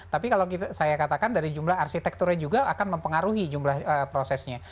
tapi kalau saya katakan dari jumlah arsitekturnya juga akan mempengaruhi jumlah prosesnya